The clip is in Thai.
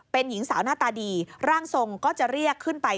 เป็นหญิงสาวหน้าตาดีร่างทรงก็จะเรียกขึ้นไป